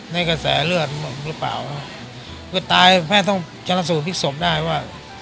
ในกระแสเลือดหรือเปล่าตายแพทย์ต้องจนสูญพิษศพได้ว่า